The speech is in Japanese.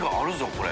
これ。